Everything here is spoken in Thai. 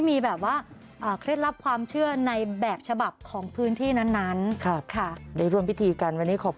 อีก๙ด้วยนะครับ